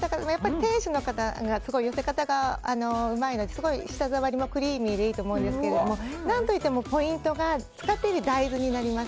店主の方が寄せ方がうまいので舌触りもクリーミーでいいと思いますが、ポイントが使っている大豆になります。